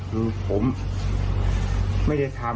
คือผมไม่ได้ทำ